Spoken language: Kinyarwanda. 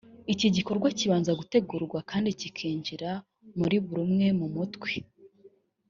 iki gikorwa kibanza gutegurwa kandi kikinjira muri buri umwe mu mutwe